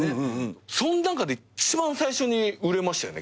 その中で一番最初に売れましたよね